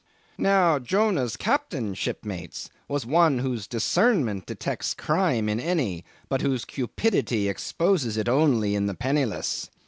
"Now Jonah's Captain, shipmates, was one whose discernment detects crime in any, but whose cupidity exposes it only in the penniless.